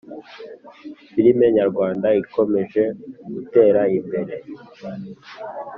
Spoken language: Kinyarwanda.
Firme nyarwanda ikomeje gutera imbere